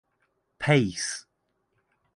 Pace.